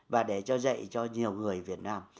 và để cho dạy cho nhiều người việt nam